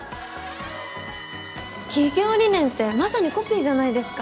企業理念ってまさにコピーじゃないですか。